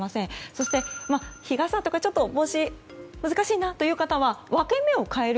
そして、日傘とか帽子、難しいなという方は分け目を変える。